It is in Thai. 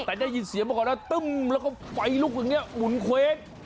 ในแต่เย็นเสียมาก่อนนะตึ้งแล้วก็ไฟลุกอย่างนี้หมุนเควค